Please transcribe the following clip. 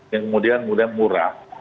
yang kemudian mudah murah